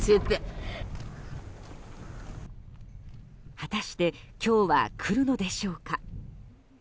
果たして今日は来るのでしょうか。